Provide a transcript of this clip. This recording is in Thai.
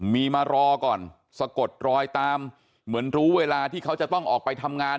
มีมารอก่อนสะกดรอยตามเหมือนรู้เวลาที่เขาจะต้องออกไปทำงาน